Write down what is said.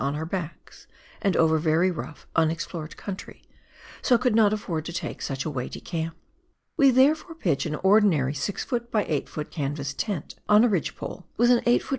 51 on our backs, and over very rougli, unexplored country, so could not afford to take such a weighty camp. We there fore pitch an ordinary 6 ft. by 8 ft. canvas tent, on a ridge pole, with an 8 ft.